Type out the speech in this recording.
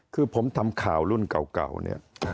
คือผมทำข่าวรุ่นเก่าเนี่ย